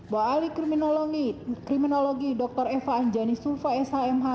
bahwa ahli kriminalogi dr eva anjani sulfa s h m h